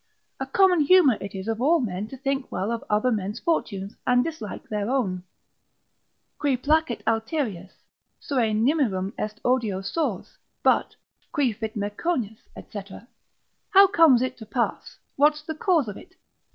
A common humour it is of all men to think well of other men's fortunes, and dislike their own: Cui placet alterius, sua nimirum est odio sors; but qui fit Mecoenas, &c., how comes it to pass, what's the cause of it?